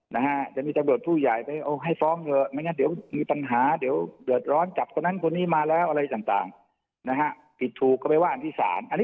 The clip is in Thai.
นะฮะจะมีตั้งโบราชผู้ใหญ่ไปโอ้ยให้ฟ้องเถอะหรือแม่งเดี๋ยวมีปัญหาเดี๋ยวเดือดร้อนจับตัวนั้นคนนี่มาแล้วอะไรต่าง